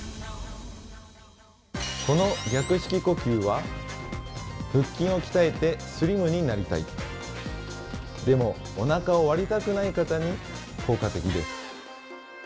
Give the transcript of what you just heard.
この逆式呼吸は腹筋を鍛えてスリムになりたいでもおなかを割りたくない方に効果的です。